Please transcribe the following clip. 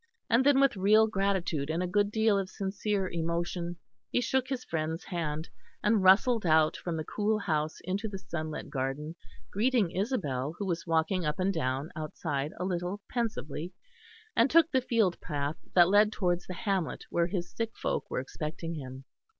And then with real gratitude and a good deal of sincere emotion he shook his friend's hand, and rustled out from the cool house into the sunlit garden, greeting Isabel who was walking up and down outside a little pensively, and took the field path that led towards the hamlet where his sick folk were expecting him.